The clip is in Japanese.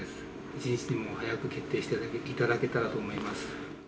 一日でも早く決定していただけたらと思います。